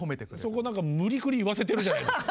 そこ何か無理くり言わせてるじゃないですか。